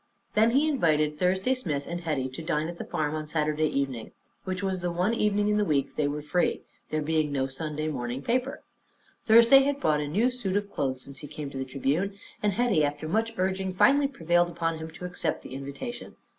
Then he invited Thursday Smith and Hetty to dine at the farm on Saturday evening, which was the one evening in the week they were free, there being no Sunday morning paper. Thursday had bought a new suit of clothes since he came to the Tribune, and Hetty, after much urging, finally prevailed upon him to accept the invitation.